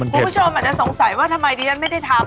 คุณผู้ชมอาจจะสงสัยว่าทำไมดิฉันไม่ได้ทำ